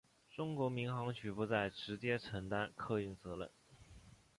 中国民航局不再直接承担客运职责。